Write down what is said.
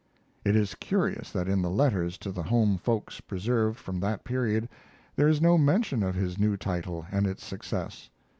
It is curious that in the letters to the home folks preserved from that period there is no mention of his new title and its success.